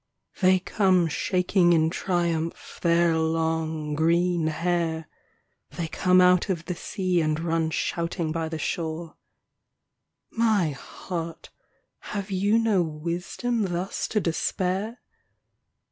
They come shaking in triumph their long, green hair: They come out of the sea and run shouting by the shore. My heart, have you no wisdom thus to despair